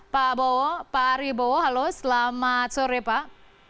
pak bowo pak ari wibowo halo selamat sore pak